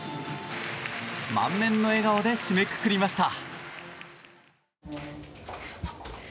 満面の笑顔で締めくくりました。